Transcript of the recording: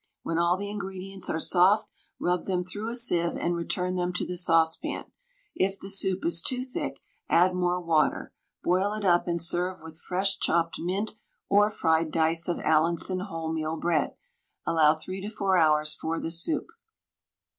When all the ingredients are soft, rub them through a sieve and return them to the saucepan. If the soup is too thick, add more water. Boil it up, and serve with fresh chopped mint, or fried dice of Allinson wholemeal bread. Allow 3 to 4 hours for the soup.